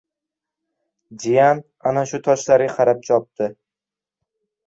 Jiyan ana shu toshlarga qarab chopdi.